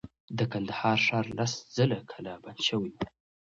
د کندهار ښار لس ځله کلا بند شوی و.